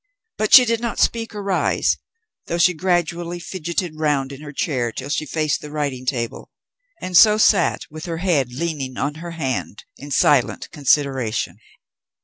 But she did not speak or rise, though she gradually fidgeted round in her chair till she faced the writing table; and so sat, with her head leaning on her hand, in silent consideration.